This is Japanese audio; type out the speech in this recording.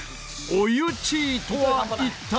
お湯チーとは一体！？